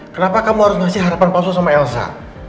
kenapa kamu harus ngasih harapan palsu sama elsa